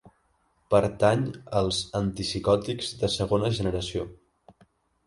Pertany als antipsicòtics de segona generació.